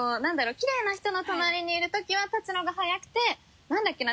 きれいな人の隣にいる時はたつのが早くて何だっけな？